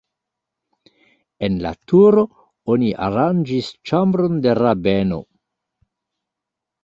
En la turo oni aranĝis ĉambron de rabeno.